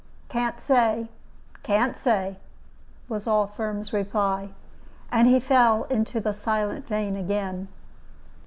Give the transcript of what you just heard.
"Can't say, can't say," was all Firm's reply; and he fell into the silent vein again.